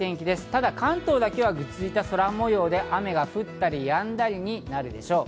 ただ関東だけはぐずついた空模様で、雨が降ったりやんだりになるでしょう。